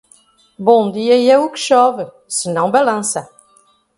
Bom dia é o que chove, se não balança.